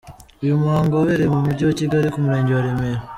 Uyu muhango wabereye mu mujyi wa Kigali ku murenge wa Remera.